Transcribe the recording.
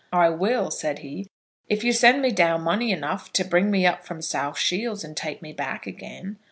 "I will," said he, "if you send me down money enough to bring me up from South Shields, and take me back again.